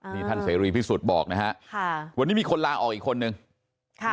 นี่ท่านเสรีพิสุทธิ์บอกนะฮะค่ะวันนี้มีคนลาออกอีกคนนึงค่ะ